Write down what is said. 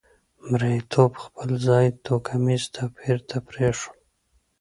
مریتوب خپل ځای توکمیز توپیر ته پرېښود.